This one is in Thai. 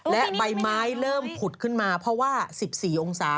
และใบไม้เริ่มผุดขึ้นมาเพราะว่า๑๔องศา